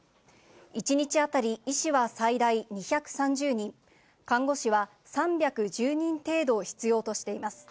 １日当たり医師は最大２３０人、看護師は３１０人程度必要としています。